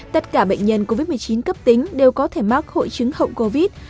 tất cả bệnh nhân covid một mươi chín cấp tính đều có thể mắc hội chứng hậu covid